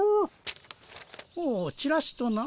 おおチラシとな。